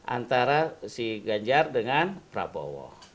antara si ganjar dengan prabowo